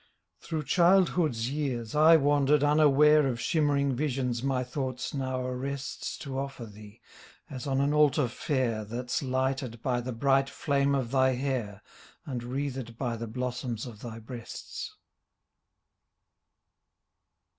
Through childhood's years I wandered unaware Of shimmering visions my thoughts now arrests To offer thee, as on an altar fair That's lighted by the bright flame of thy hair And wreathed by the blossoms of thy breasts.